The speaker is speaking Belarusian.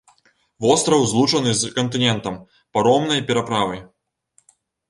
Востраў злучаны з кантынентам паромнай пераправай.